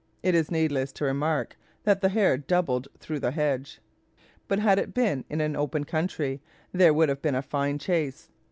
It is needless to remark, that the hare doubled through the hedge; but had it been in an open country, there would have been a fine chase.